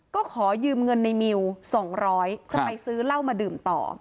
ก็ขอยืมเงินในมิว๒๐๐จะไปซื้อเหล้ามาดื่มต่อ